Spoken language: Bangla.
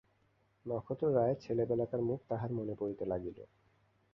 নক্ষত্ররায়ের ছেলেবেলাকার মুখ তাঁহার মনে পড়িতে লাগিল।